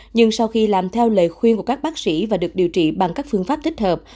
nhưng sau khi làm theo lời khuyên của các bác sĩ và được điều trị bằng các phương pháp thích hợp